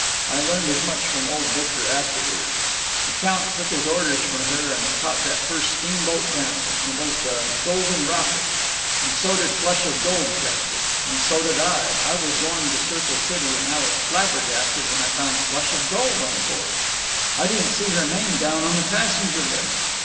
I learned as much from old Victor afterwards. The Count took his orders from her, and caught that first steamboat down. It was the Golden Rocket. And so did Flush of Gold catch it. And so did I. I was going to Circle City, and I was flabbergasted when I found Flush of Gold on board. I didn't see her name down on the passenger list.